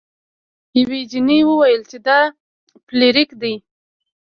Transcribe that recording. یوې جینۍ وویل چې دا فلیریک دی.